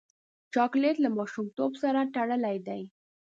چاکلېټ له ماشومتوب سره تړلی دی.